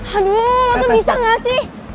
aduh lo tuh bisa gak sih